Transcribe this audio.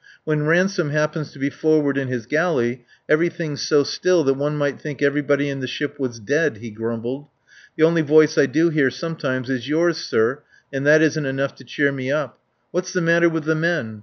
"When Ransome happens to be forward in his galley everything's so still that one might think everybody in the ship was dead," he grumbled. "The only voice I do hear sometimes is yours, sir, and that isn't enough to cheer me up. What's the matter with the men?